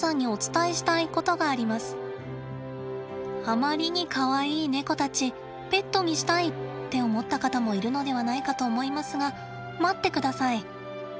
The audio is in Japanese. あまりにかわいいネコたち「ペットにしたい！」って思った方もいるのではないかと思いますが待ってください。